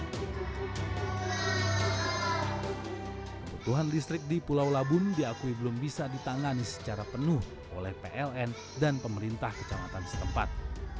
kebutuhan listrik di pulau labun diakui belum bisa ditangani secara penuh oleh pln dan pemerintah kecamatan setempat